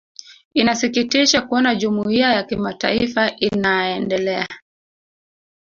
inasikitisha kuona jumuiya ya kimataifa inaendelea